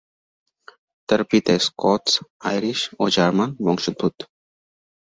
তার পিতা স্কটস-আইরিশ ও জার্মান বংশোদ্ভূত।